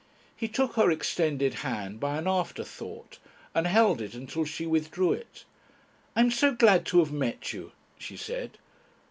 He took her extended hand by an afterthought, and held it until she withdrew it. "I am so glad to have met you," she said.